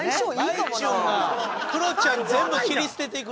まいちゅんがクロちゃん全部切り捨てて。